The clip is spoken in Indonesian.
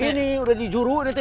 ini udah di juru rete